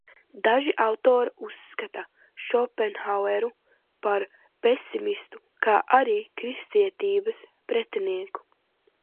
Daži autori uzskata Šopenhaueru par pesimistu, kā arī kristietības pretinieku.